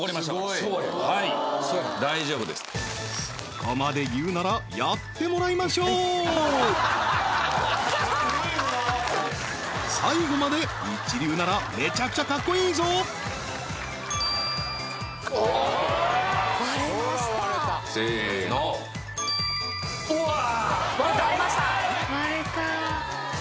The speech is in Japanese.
そこまで言うならやってもらいましょう最後まで一流ならめちゃくちゃかっこいいぞおおーせーのうわー